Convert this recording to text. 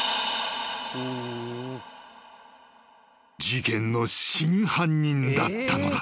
［事件の真犯人だったのだ］